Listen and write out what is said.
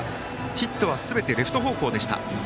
ヒットはすべてレフト方向でした。